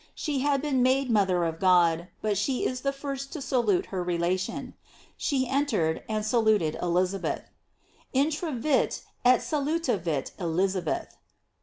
She had been made mother of God , but she is the first to salute her relation. She entered, and saluted Elizabeth: In travit et salutavit Elisabeth.